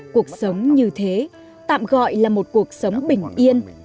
cuộc sống như thế tạm gọi là một cuộc sống bình yên